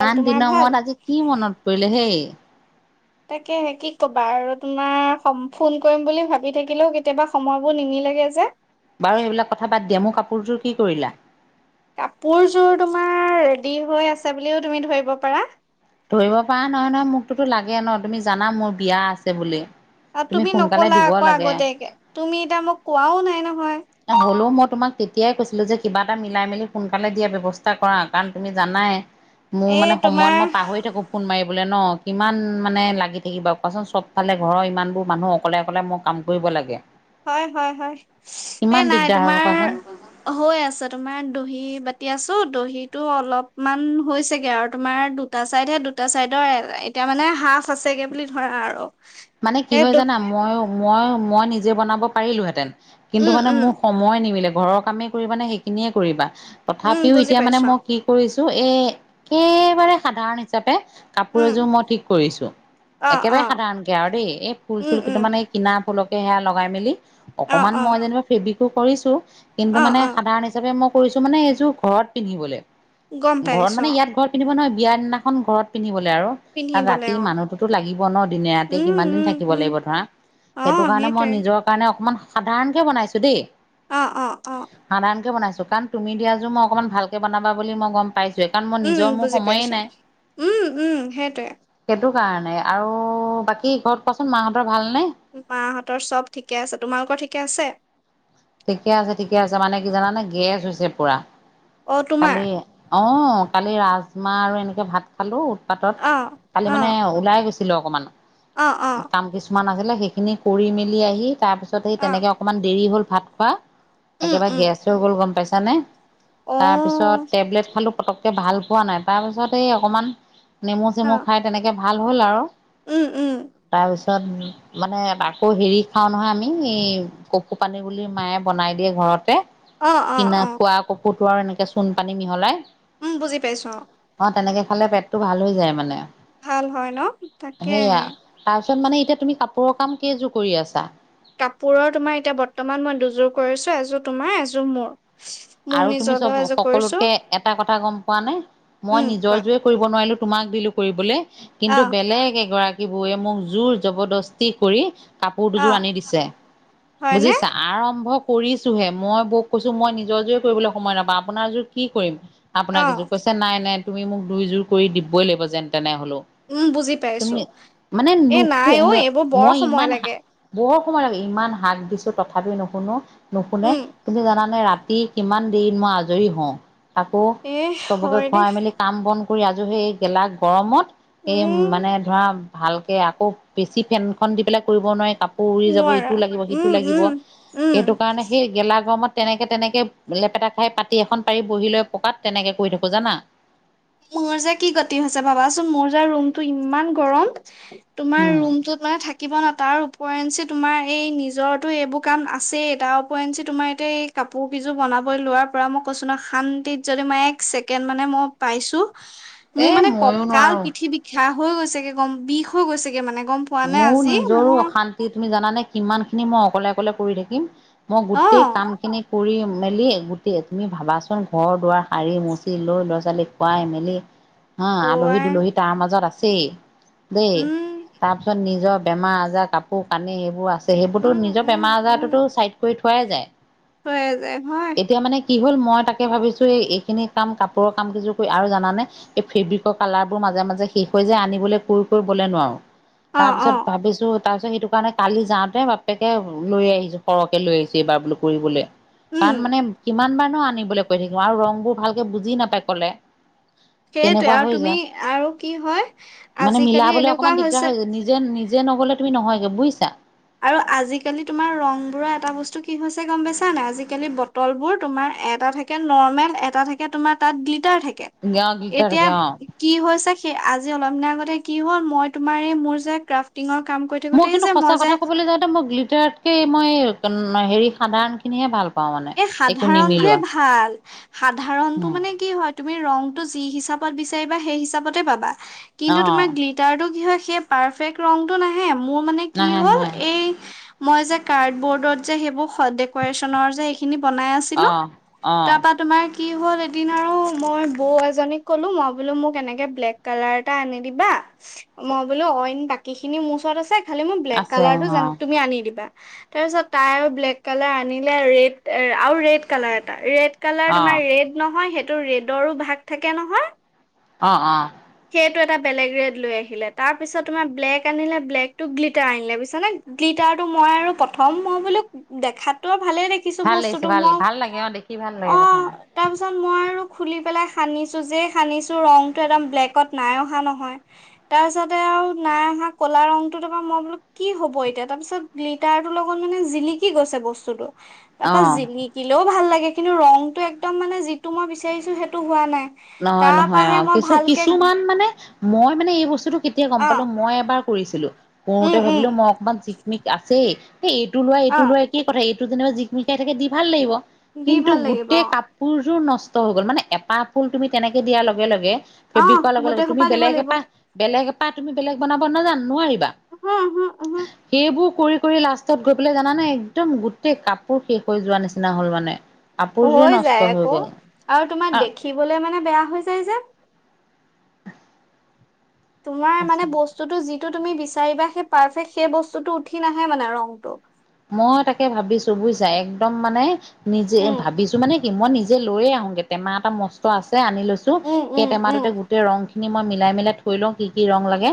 ভাল আন তোমাৰ দিনা ভাল? মোৰ আজি কি মনত পৰিলে হেই তাকে কি ক'বা আৰু তোমাৰ ফোন কৰিম বুলি ভাবি থাকিলেও কেতিয়াবা সময়বোৰ নিমিলে ভাল লাগে যে বাৰু সেইবিলাক কথা বাদ দিয়া মোৰ কাপোৰটোোৰ কি কৰিলা কাপোৰযোৰ তোমাৰ ৰেডি হৈ আছে বুলিও তুমি ধৰিব পাৰা ধৰিব পৰা নহয় নহয় মোকোতো লাগে ন তুমি জানা মোৰ বিয়া আছে বুলি আৰু তুমি সোনকালে নকলা দিব আকৌ লাগে আগতিয়াকে তুমি এতিয়া মোক কোৱাও নাই নহয় হ'লেও মই তোমাক তেতিয়াই কৈছিলো যে কিবা এটা মিলাই মেলি সোনকালে দিয়া ব্যৱস্থা কৰা কাৰণ তুমি জানাই মোৰ মানে এ সময়ত তোমাৰ মই মোক ফোন মাৰিবলৈ ন কিমান মানে লাগি থাকিবা কোৱাচোন চব ফালে ঘৰৰ ইমানবোৰ মানুহ অকলে অকলে ম কাম কৰিব লাগে হয় হয় হয় কিমান এই নাই দিগদাৰ হয় তোমাৰ কোৱাচোন হৈ আছে তোমাৰ দহি বাতি আছো তো দহিতটো অলপমান হৈছেগে আৰু তোমাৰ দুটা চাইডৰ দুটা চাইডৰ এতিয়া মানে সাজ আছেগে বুলি ধৰা আৰু মানে কি সেই হয় দহি জানা মই মই মই নিজে বনাব পাৰিলোহেঁতেন কিন্তু উম মানে উম মোৰ সময়ে নিমিলে ঘৰৰ কামেই কৰিবা নে সেইখিনিয়ে কৰিবা উম তথাপিও বুজি এতিয়া মানে পাইছো মই কি কৰিছো এ একেবাৰে সাধাৰণ হিচাপে কাপোৰ উম, এযোৰ মই ঠিক কৰিছো অ', একেবাৰে অ', সাধাৰণকে আৰু দেই এই ফুল উম, চুল উম, কেইটামান এই কিনা ফুলকে সেয়া লগাই মেলি অ', অকনমান মই অ', যেনিবা ফেব্ৰিকো কৰিছো কিন্তু অ', মানে অ', সাধাৰণ হিচাপে মই কৰিছো মানে এইযোৰ ঘৰত পিন্ধিবলৈ গম ঘৰত পাইছো মানে অ', ইয়াত ঘৰ পিন্ধিব নহয় বিয়া দিনাখন ঘৰত পিন্ধিবলৈ আৰু তাত পিন্ধিবলে ৰাতি অ', মানুহতোতো লাগিব ন দিনে ৰাতি এনেই উম, কিমান দিন উম, থাকিব উম, লাগিব ধৰা সেইটো অ', কাৰণে মই সেইটোৱে নিজৰ কাৰণে অকমান সাধাৰণ কে বনাইছো দেই অ অ অ সাধাৰণকে বনাইছো কাৰণ তুমি দিয়া যোৰ মই অকণমান ভালকৈ বনাব বুলি মই গ'ম পাইছে কাৰণ মই উম, নিজৰ মোৰ বুজি সময় পাইছো। নাই উম, উম, সেইটোৱে সেইটো কাৰণে আৰু বাকী ঘৰত কোৱাচোন মাহঁতৰ ভালনে তহৰ চব ঠিকে আছে তোমালোকৰ ঠিকে আছে ঠিকে আছে ঠিকে আছে মানে কি জানানে গেছ হৈছে পোৰা অ', তোমাৰ কালি অ কালি ৰাজমাহ আৰু এনেকে ভাত খালো পাতত অ', কালি মানে অ', ওলাই গৈছিলো অকমান অ', অ', কাম কিছুমান আছিল বোলো সেইখিনি কৰি মেলি আহি তাৰ পিছত সেই অ', তেনেকে অকনমান দেৰি হল ভাত খোৱা উম, একেবাৰে উম, গেছ গ'ল গম পাইছানে অ', তাৰ পিছত টেবলেট খালো পতক কে ভাল পোৱা নাই তাৰপিছত এই অকণমান নেমু চেমু অ', খাই তেনেকৈ ভাল হ'ল আৰু উম, উম, তাৰ পিছত তাৰপিছত মানে আকৌ হেৰি খাওঁ নহয় আমি কপৌপানী বুলি মায়ে বনাই দিয়ে ঘৰতে অহ অহ অহ কুত আৰু এনেকৈ চূণ পানী মিহলাই উম বুজি পাইছো তেনেকে খালে পেটটো ভাল হৈ যায় মানে ভাল হয় ন তাকে আহে তাত মানে এতিয়া তুমি কাপোৰৰ কাম কেইযোৰ কৰি আছা কাপোৰৰ তোমাৰ এতিয়া বৰ্তমান মই দুযোৰ কৰিছো এযোৰ তোমাৰ এযোৰ মোৰ মোৰ আৰু তুমি চব নিজলৈও এযোৰ কৰিছো সকলোতকে এটা কথা গম পোৱা নাই মই উম নিজৰ কোৱা জোৰে কৰিব নোৱাৰিলো তোমাক দিলো কৰিবলৈ কিন্তু আহ বেলেগ এগৰাকী বৌয়ে মোক জোৰ জবৰদস্তি কৰি কাপোৰ দুযোৰ আহ আনি দিছে। হয়নে বুজিছা আৰম্ভ কৰিছোহে মই বক কৈছো মই নিজৰ জোৰ কৰিবলৈ সময় নাপাওঁ আপোনাৰ যোৰ কি কৰিম। আপোনাক অ এযোৰ কৈছে নাই নাই তুমি মোক দুইযোৰ কৰি দিবই লাগিব যেন তেনে। হলো, উম বুজি তুমি পাইছো মানে এ নুশো নাই অ এইবোৰ বৰ মই সময় ইমান লাগে বৰ ম ইমান শাক দিছো তথাপি নুশুনো নুশুনে উম কিন্তু জানানে ৰাতি কিমান দেৰিত মই আজৰি হওঁ, আকৌ এ চবকে হয় দেই খুৱাই মেলি কাম বন কৰি আজৰি সেই গেলা গৰমত এই উম মানে ধৰা ভালকে আকৌ বেছি ফেনখন দি পেলাই কৰিব নোৱাৰি কাপোৰ উৰি যাব নোৱাৰা ইটো লাগিব উম সিটো লাগিব উম উম সেইটো কাৰণে সেই গেলা গৰমত তেনেকে তেনেকে লেপেটা খাই পাতি এখন পাৰি বহী লৈ পকাত তেনেকে কৰি থাকো জানা মোৰ যে কি গতি হৈছে ভাবাচোন মোৰ যে ৰুমটো ইমান গৰম তোমাৰ উম ৰুম তটোত মানে থাকিব ন তাৰ উপৰেঞ্চি তোমাৰ এই নিজৰৰতো এইবোৰ কাম আছে তাৰ ওৰেঞ্চি তোমাৰ এতিয়া এই কাপোৰ কিযোৰ বন লোৱাৰ পৰা মই কৈছো ন শান্তিত যদি মই এক ছেকেণ্ড মানে মই পাইছো মোৰ এ মানে মইয়ো ককাল নোৱাৰো পিঠি বিষা হৈ গৈছেগে গম বিষ হৈ গৈছেগে মানে গম পোৱা নে মোৰ আজি নিজৰো মোৰ অশান্তি তুমি জানানে কিমান খিনি মই অকলে অকলে কৰি থাকিম। মই অ গোটেই কামখিনি কৰি মেলি গোটেই তুমি ভাবাচোন ঘৰ -দুৱাৰ শাৰী মচি লৈ লৰা ছোৱালীক খুৱাই মেলি হা ঐ আলহী দুলহী তাৰ মাজত আছেই দেই, উম তাৰপিছত নিজৰ বেমাৰ আজাৰ কাপোৰ কানি সেইবোৰ আছে সেইবোৰতো উম নিজৰ বেমাৰ আজাৰোতো চাইড কৰি পোৱা যায়। হৈ যায় ভ এতিয়া মানে কি হ'ল মই তাকে ভাবিছো এইখিনি কাম কাপোৰৰ কাম কযোৰ কৰি আৰু জানে এই ফেব্ৰিকৰ কালাৰ বোৰ ম মাজে মাজে শেষ হৈ যায় আনিবলৈ পূৰ কৰিবলে নোৱাৰো। অ তাৰ অ পিছত ভাবিছো তাৰপিছত সেইটো কাৰণে কালি যাওঁতে বাপেকে লৈ আহিছো সৰহকে লৈ আহিছো এইবাৰ বোলো কৰিবলৈ উম কাৰণ মানে কিমান বাৰ নো আনিবলৈ কৈ থাকিম আৰু ৰংবোৰ ভালকে বুজি নাপাই কলে। সেইটোৱে তেনেকুৱা আৰু হৈ তুমি যায় আৰু কি হয় মানে আজিকালি মিলাবলৈ এনেকুৱা অকণমান দিগদাৰ হৈছে হৈ যায় নিজে নিজে নগলে তুমি নহয়গে বুইছা। আৰু আজিকালি তোমাৰ ৰং বোৰৰ এটা বস্তু কি হৈছে গম পাইছা নাই আজিকালি বটল বোৰ তোমাৰ এটা থাকে নৰ্মেল এটা থাকে তোমাৰ তাত গ্লিট থাকে গাঁৱত গীতা থাকে অ'। এতিয়া কি হৈছে সেই আজি অলপ দিনা আগতে কি হ'ল মই তোমাৰ এই মোৰ যে ক্ৰাফটিঙৰ কাম কৰি থাকোতে সে যে মই যে ম গ্লিলিটাৰতকে মই হেৰি সাধাৰণ খিনিহে ভাল পাওঁ মানে। এ একো সাধাৰণটয়ে নিমিলোৱা ভাল। সাধাৰণতটো মানে কি হয় তুমি ৰংটো যিহিচাপত বিচাৰিবা সেইহিচাপতে পাবা কিন্তু অ', তুমাৰ গ্লিটাৰটো কি হয় সেই পাৰফেক্ট ৰংটো নাহে মোৰ মানে কি নাহে হ'ল নাহে এই মই যে কাৰ্ড বৰ্ডত যে সেইবোৰ ডেক্সৰেচনৰ যে খিনি বনাই আছিলো অ', অ', তাৰ পৰা তোমাৰ কি হ'ল এদিন আৰু মই বৌ এজনীক ক'লোঁ মই বোলো মোক এনেকে ব্লেক কালাৰ এটা আনি দিবা মই বোলো অইন বাকী খিনি মোৰ ওচৰত আছে খালি মোৰ ব্লেক আছে কালাৰটো অ', তুমি আনি দিবা তাৰপিছত তাই আৰু ব্লেক কালাৰ আনিলে ৰেড এ আৰু ৰেড কালাৰ এটা ৰেড কালাৰ অ', তোমাৰ ৰেড নহয় সেই টো ৰেডৰো ভাগ থাকে নহয়। অ অ এটা বেলেগ ৰেড লৈ আহিলে। তাৰ পিছত তোমাৰ ব্লেক আনিলে ব্লেক টো গ্লিটাৰ আনিলে পিছনে গ্লিটাৰ টো মই আৰু প্ৰথম মই বুলিো দেখাত ভালে দেখিছো ভাল লাগিছে বস্তুতটো ভাল মোক ভাল লাগে অ' দেখি ভাল লাগে অ প্ৰথম তাৰপিছত মই আৰু খুলি পেলাই সানিছো যেই সানিছো ৰংটো একদম ব্লেক ত নাই অহা নহয়। তাৰপিছতে আৰু নাই অহা কলা ৰংটো তাৰপৰা মই বোলো কি হ'ব এতিয়া তাৰপিছত গ্লিটাৰতো ৰ লগত মানে জিলিকি গৈছে বস্তুতটো তাৰপা অ'। জিনিকিলেও ভাল লাগে কিন্তু ৰংতটো এক্দম মানে যিটো মই বিচাৰিছো সেইটো হোৱা নাই। নহয় তাৰপা নহয় হে অ মই কিছু ভাল কিছুমান মানে মই মানে এই বস্তুটো কেতিয়া গম পালো অ', মই এবাৰ কৰিছিলো। কৰোতে উম, উম, ভাবিলো মই অকমান চিকমিক আছেই এ এইটো লোৱা এইটো অ', লোৱা একেই কথা এই যো জিক মিকাই থাকে দি ভাল লাগিব দি কিন্তু ভাল লাগিব গোটেই অ', কাপোৰযোৰ নষ্ট হৈ গ'ল মানে এপাপ ফুল তুমি তেনেকে দিয়াৰ লগে লগে অ', ফেব্ৰিক কঢ়া লগে লগে গোটেই তুমি সোপা দিব বেলেগ লাগিব এপা বেলেগ পাত তুমি বেলেগ বনাব নাজান নোৱাৰিবা। হা হা উ। সেইবোৰ কৰি কৰি লাষ্টত গৈ পেলাই জানানে একদম গোটেই কাপোৰ শেষ হৈ যোৱা নিচিনা হল মানে কাপোৰযোৰে হৈ নষ্ট যায় হৈ আকৌ গ'ল আৰু তোমাক দেখিবলে মানে বেয়া হৈ যায় যে তোমাৰ মানে আ বস্তুতটো যিটো তুমি বিচাৰিবা সেই পাৰফেক্ট সেই বস্তুতটো উঠি নাহে মানে ৰংটো। মই তাকে ভাবিছো বুজিছা একদম মানে নিজে উম, ভাবিছো মানে কি মই নিজে যে লৈয় আহোগে টেমা এটা মস্ত আছে আনি লৈছো উম, সেই উম, উম, টেমাটোতে গোটেই ৰং খিনি মই মিলাই মিলাই থৈ লওঁ কি কি ৰং লাগে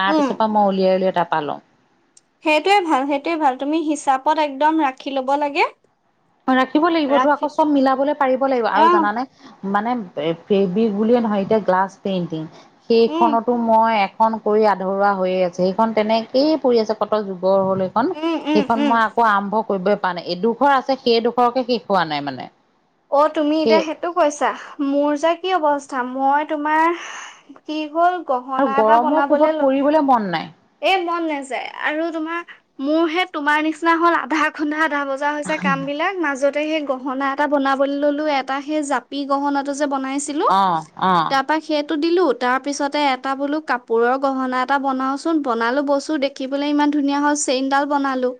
তাৰ পিছৰ পৰা মই উলিয়াই উলিয়াই তা পা লওঁ সেইটোয়ে ভাল সেইটোয়ে ভাল তুমি হিচাপত একদম ৰাখি ল'ব লাগে ৰাখিব লাগিবতো ৰাখি আকৌ চব মিলাবলৈ পাৰিব লাগিব আৰু অ', জানা নাই মানে ফেব্ৰিক বুলিয়ে নহয় এতিয়া গ্লাছ পেইন্টিং উম, সেইখনতো মই কৰি আধৰুৱা হৈয়ে আছে সেইখন তেনেকেই পৰি আছে কট যুগ গড় হ'ল সেইখন, উম, উম, সেইখন উম। মই আকৌ আৰম্ভ কৰিবই পৰা নাই এডোখৰ আছে সেইডোখৰকে শেষ হোৱা নাই মানে অ তুমি এতিয়া সেই সেইটো কৈছা মোৰ যে কি অৱস্থা মই তোমাৰ কি হ'ল আৰু গহনা এটা গৰমৰ বনাবলে কোবত ল কৰিবলৈ মন নাই এই মন নাই আৰু তোমাৰ মোৰ সে তোমাৰ নিচিনা হ'ল আধা খুণ্ডা আধা বজা হৈছে কাম বিলাক মাজতে সেই গহনা এটা বনাবলৈ ললো এটা সেই জাপি গহনাটো যে বনাইছিলো অ', অ', তা পা সেই দিলো তাৰ পিছতে এটা বোলো কাপোৰৰ গহনা এটা বনাওচোন বনালো বস্তু দেখিবলৈ ইমান ধুনীয়া হ' চেইনডাল বনালো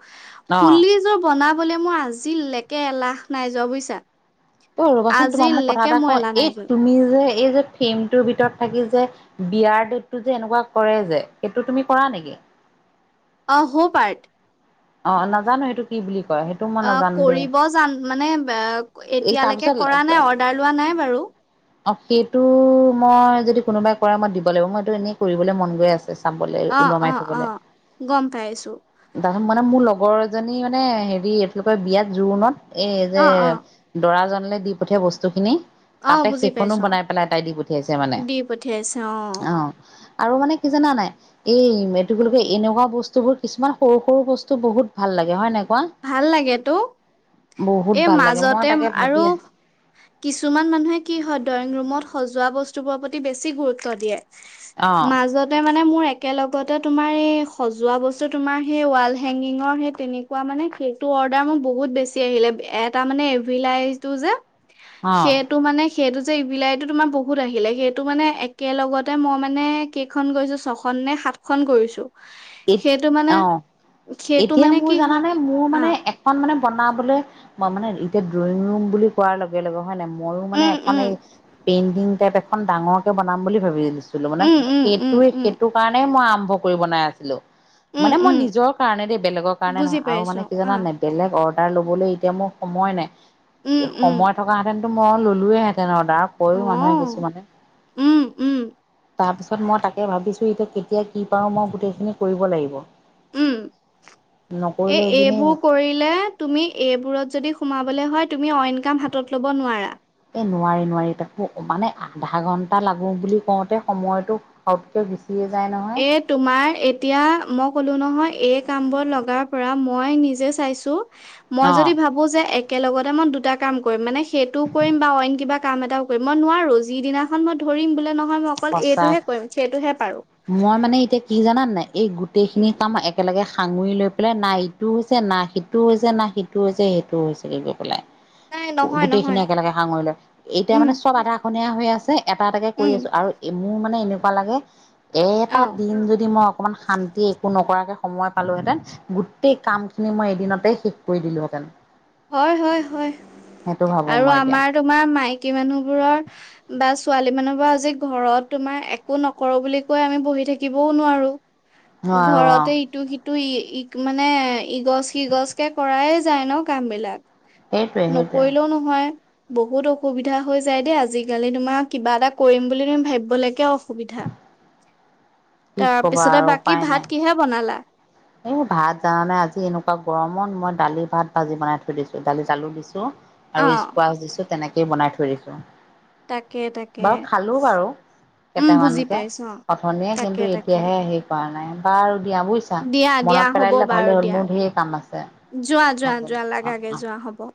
অ'। ফুলিযোৰ বনাবলে মই আজিলেকে এলাহ নাই যোৱা বুজিছা ঐ ৰবাচোন তোমাক মোক কথা আজিলৈকে এটা মোৰ কওঁ এলাহ নাই এই যোৱা তুমি যে এই যে ফ্ৰেমটোৰ ভিতৰত থাকি যে বিয়াৰ ডটতটো যে এনেকুৱা কৰে যে সেইটো তুমি কৰা নেকি [inaudible] অ হ পাৰ্ট অ নাজানো সেইটো কি বুলি ক অ কৰিব জান মানে এই এতিয়ালৈকে তাৰপিছত কৰা নাই অৰ্ডাৰ লোৱা নাই বাৰু অ সেইটো মই যদি কোনোবাই কৰা মই দিব লাগিব মই এইটো এনেই কৰিবলৈ মন গৈ আছে চাবলৈ অ', ওলমাই অ', থবলে অ', গম পাইছো। মোৰ লগৰ এজনী মানে হেৰি এইফালৰ বিয়াত জোৰোণত এই যে অ', অ', দৰাজন দি পঠিয়াই বস্তু খিনি অ', তাতে বুজি সেইখনো পাইছো অ', বনাই পেলাই এটাই দি পঠিয়াইছে মানে দি পঠিয়াইছে অ আৰু মানে কি জাননা নাই এই টো এনেকুৱা বস্তু বোৰ কিছুমান সৰু সৰু বস্তু বহুত ভাল লাগে হয় নাই কোৱা ভাল লাগে তো বহুত এই ভাল লাগে মই মাজতে তাকে ভাবি আৰু আছো কিছুমান মানুহে কি হয় ড্ৰয়িং ৰুমত সজোৱা বস্তুবোৰৰ প্ৰতি বেছি গুৰুত্ব দিয়ে, অ মাজতে মানে মোৰ এ একেলগতে তোমাৰ এই সজোৱা বস্তু তোমাৰ সেই ৱাল হেগিঙৰ সেই তেনে একোৱা মানে সেইটো অৰ্ডাৰ মোৰ বহুত বেছি আহিলে এটা মানে এভিলাইটো যে অ সেইটো মানে সেইটো যে ইভিলাইটো তোমাৰ বহুত আহিলে সেইটো মানে একেলগতে মই মানে কেইখন কৰিছোঁ ছখন নে সাতখন কৰিছো এ সেইটো মানে অ সেইটো এতিয়া মানে মোৰ কি হয় জানানে মোৰ অ মানে এখন মানে বনাবলে ম মানে এতিয়া ড্ৰয়িং ৰুম বুলি কোৱাৰ লগে লগে হয় নাই মইও মানে উম এখন উম এই পেইণ্টিং টাইপ এখন ডাঙৰকে বনাম বুলি ভাবিছোঁ ছিলো মানে উম উম সেইটো উম উম সেইটো কাৰণেই মই আৰম্ভ কৰিব বনাই আছিলো উম মানে মই উম নিজৰ কাৰণে দেই বেলেগৰ কাৰণে বুজি নহয় আৰু পাইছো মানে কি অ জানান নে বেলেগ অৰ্ লবলৈ এতিয়া মোৰ সময় উম নাই উম সময় থকাহেতেনতো মই ললোয়ে হেতেন তাৰ অ কয়ো মানুহে কিছুমানে উম উম তাৰপিছত মই তাকে ভাবিছোঁ এতিয়া কেতিয়া কি পাৰোঁ মই গোটেইখিনি কৰিব লাগিব উম এ নকৰিলে এইখিনি এইবোৰ কৰিলে তুমি এইবোৰত যদি সোমাব সোমাবলৈ হয় তুমি অন্য কাম কৰিব নোৱাৰা এই নোৱাৰি নোৱাৰি তাকো মানে আধা ঘন্টা লাগো বুলি কওঁতে সময়তটো হাউতকে এ তোমাৰ এতিয়া মোক কলো নহয় এই কাম বোৰ লগাৰ পৰা মই নিজে চাইছো মই অ'। যদি ভাবো যে একেলগতে মই দুটা কাম কৰিম মানে সেইটোও কৰিম বা অইন কিবা কাম এটাও কৰিম মই নোৱাৰোঁ যিদিনাখন মই কৰিম বোলে নহয় মই অকল সঁচা এইটোহে কৰিম সেইটোহে পাৰো মই মানে এতিয়া কি জানা নে নাই এই গোটেই খিনি উম কাম একেলগে সাঙুৰি লৈ পেলাই না ইটো হৈছে না সিটো হৈছে না সিটো হৈছে সেইটো হৈছেগ গৈ পেলাই নাই নহয় গোটেই খিনি নহয় একেলগে সাঙৰি লয় এতিয়া উম মানে চব আধাখনীয়া হৈ আছে এটা এটাকে কৰি উম আছো আৰু মোৰ মানে এনেকুৱা লাগে অ এটা দিন যদি মই অকমান শান্তি একো নকৰাকে সময় পালোহেঁতেন গোটেই কামখিনি মই এদিনতে শেষ কৰি দিলোহেঁতেন হয় হয় হয় সেইটো ভাবো আৰু মই এতিয়া। আমাৰ তোমাৰ মাইকী মানুহবোৰৰ বা ছোৱালী মানুহ বা আজি ঘৰত তোমাৰ একো নকৰো বুলি কৈ আমি বহি থাকিবও নোৱাৰো। নোৱাৰো অ ঘৰতে ইটো সিটো তটো ই ই মানে ইগছ সিগছ কে কৰায় যায় ন কাম বিলাক। সেইটোৱে সেইটোৱে নকৰিলেও নহয় বহুত অসুবিধা হৈ যায় দেই আজিকালি তোমাৰ কিবা এটা কৰিম বুলি তুমি ভাবিবলৈকে অসুবিধা কি কবা তাৰপিছতে আৰু বাকী উপায় ভাত নাই। কিহে বনালা এই ভাত জানা নাই আজি এনেকোৱা গৰমত মই দালি ভাত ভাজি বনাই থৈ দিছো দালি আলু দিছো আৰু অ', স্পচ দিছো তেনেকেই বনাই থৈ দিছো। তাকে তাকে বাৰু খালো বাৰু উম, বুজি কেইটামানকে পাইছো অ', উঠনিয়ে তাকে কিন্তু তাকে। এতিয়াহে হেৰি কৰা নাই বাৰু দিয়া বুজিছা দিয়া দিয়া মনত পেলাই হ'ব দিলে বাৰু ভালেই হ'ল দিয়া মোৰ ঢেৰ কাম আছে যোৱা যোৱা হ'ব দে যোৱা অ লাগাগে অ। যোৱা হ'ব।